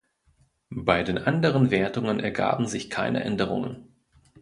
Bei den anderen Wertungen ergaben sich keine Änderungen.